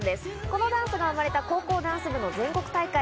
このダンスが生まれた高校ダンス部の全国大会。